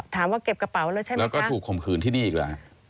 ถามว่าเก็บกระเป๋าแล้วใช่ไหมครับแล้วก็ถูกข่มขืนที่นี่อีกแล้วครับ